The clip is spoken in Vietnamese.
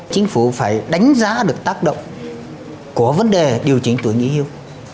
chính phủ phải đánh giá được tác động của vấn đề điều chỉnh tuổi nghỉ hưu